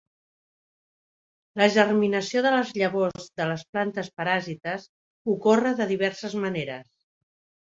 La germinació de les llavors de les plantes paràsites ocorre de diverses maneres.